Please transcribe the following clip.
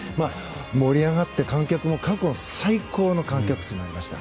盛り上がって観客も過去最高の観客数になりました。